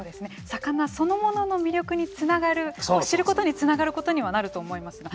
魚そのものの魅力につながる知ることにつながることにはなると思いますが。